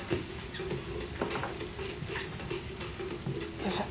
よいしょ。